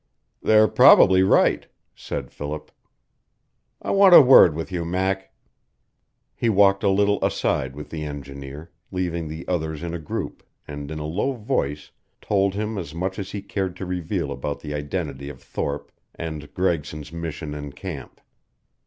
"They're probably right," said Philip. "I want a word with you, Mac." He walked a little aside with the engineer, leaving the others in a group, and in a low voice told him as much as he cared to reveal about the identity of Thorpe and Gregson's mission in camp.